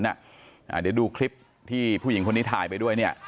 เดี๋ยวดูคลิปที่ผู้หญิงคนนี้ถ่ายไปด้วยเนี่ย